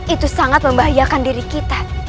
itu sangat membahayakan diri kita